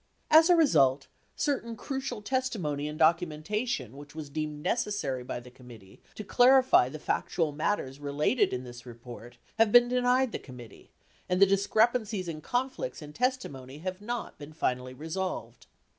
As a result, certain crucial testi mony and documentation which was deemed necessary by the com mittee to clarify the factual matters related in this report have been denied the committee and the discrepancies and conflicts in testimony have not been finally resolved.